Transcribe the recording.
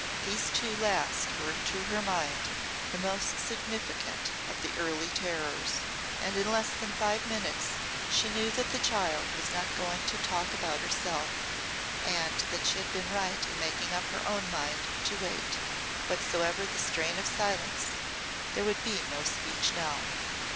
These two last were to her mind the most significant of the early terrors. And in less than five minutes she knew that the child was not going to talk about herself and that she had been right in making up her own mind to wait. Whatsoever the strain of silence, there would be no speech now.